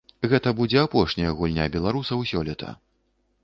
Гэта будзе апошняя гульня беларусаў сёлета.